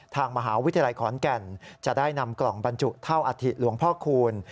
ทางมหาวิทยาลัยขอนแก่นจะได้นำกล่องบรรจุเท่าอธิหลวงพ่อคูณ